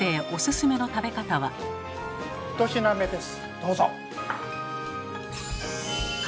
どうぞ。